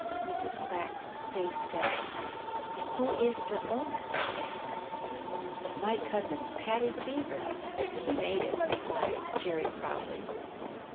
Mrs. Quack's face fell. "Who is the owner?" she asked. "My cousin, Paddy the Beaver. He made it," replied Jerry proudly.